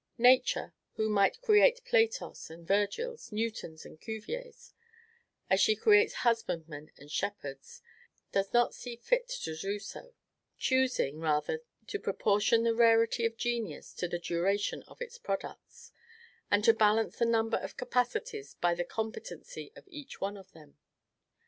Nature, who might create Platos and Virgils, Newtons and Cuviers, as she creates husbandmen and shepherds, does not see fit to do so; choosing rather to proportion the rarity of genius to the duration of its products, and to balance the number of capacities by the competency of each one of them.